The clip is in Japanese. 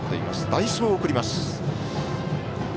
代走を送ります。